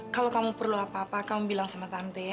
kalau kamu perlu apa apa kamu bilang sama tante